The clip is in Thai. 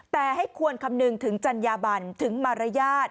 แต่ให้ควรคำนึงถึงจัญญาบันถึงมารยาท